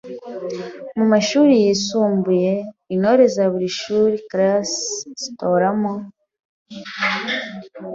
Mu mashuri yisumbuye, Intore za buri shuri (classe) zitoramo